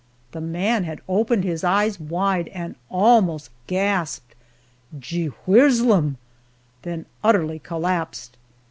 The man had opened his eyes wide, and almost gasped "Gee rew s'lum!" then utterly collapsed.